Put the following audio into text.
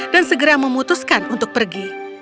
dan segera memutuskan untuk pergi